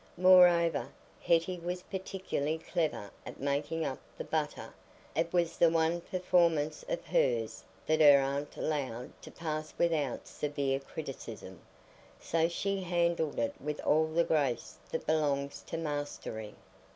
Moreover, Hetty was particularly clever at making up the butter; it was the one performance of hers that her aunt allowed to pass without severe criticism; so she handled it with all the grace that belongs to mastery.